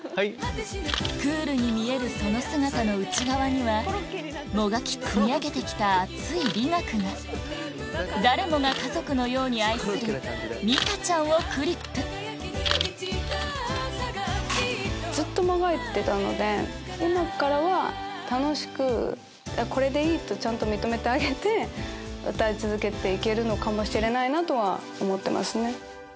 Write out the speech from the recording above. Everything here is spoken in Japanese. クールに見えるその姿の内側にはもがき積み上げて来た熱い美学が誰もが家族のように愛する美嘉ちゃんをＣＬＩＰＳずっともがいてたので今からは楽しくこれでいい！とちゃんと認めてあげて歌い続けて行けるかもしれないと思ってますね。